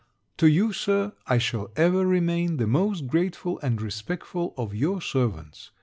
To you, Sir, I shall ever remain the most grateful and respectful of your servants.